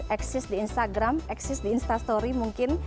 eksis di instagram eksis di instastory mungkin